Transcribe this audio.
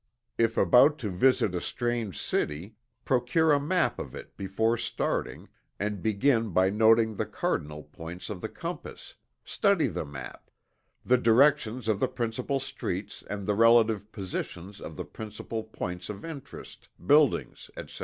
If about to visit a strange city, procure a map of it before starting, and begin by noting the cardinal points of the compass, study the map the directions of the principal streets and the relative positions of the principal points of interest, buildings, etc.